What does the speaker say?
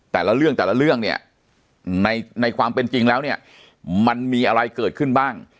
แต่ละเรื่องแต่ละเรื่องเนี่ยในความเป็นจริงแล้วเนี่ยมันมีอะไรเกิดขึ้นบ้าง